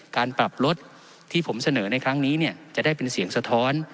การปรับลดที่ผมเสนอในครั้งนี้จะได้เป็นเสียงสะท้อน